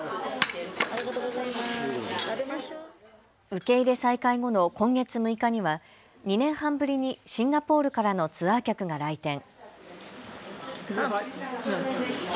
受け入れ再開後の今月６日には２年半ぶりにシンガポールからのツアー客が来店。